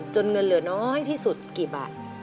เงินเหลือน้อยที่สุดกี่บาท